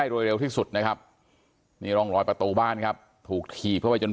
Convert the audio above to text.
รวยเร็วที่สุดนะครับนีรองลอยประตูบ้านครับถูกหยีบไปจน